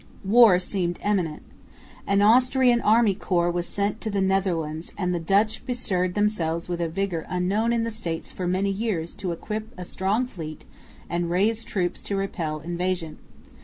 War seemed imminent. An Austrian army corps was sent to the Netherlands; and the Dutch bestirred themselves with a vigour unknown in the States for many years to equip a strong fleet and raise troops to repel invasion.